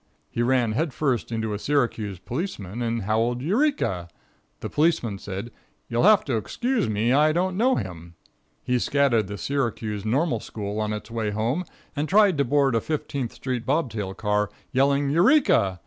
He ran head first into a Syracuse policeman and howled "Eureka!" The policeman said: "You'll have to excuse me; I don't know him." He scattered the Syracuse Normal school on its way home, and tried to board a Fifteenth street bob tail car, yelling "Eureka!"